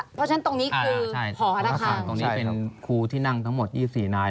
เพราะฉะนั้นตรงนี้คืออ่าใช่หอระคังตรงนี้เป็นครูที่นั่งทั้งหมดยี่สิบสี่นาย